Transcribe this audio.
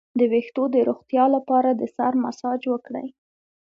د ویښتو د روغتیا لپاره د سر مساج وکړئ